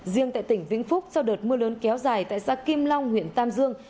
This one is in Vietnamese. riêng tại tỉnh vĩnh phúc sau đợt mưa lớn kéo dài tại xã kim long huyện tam dương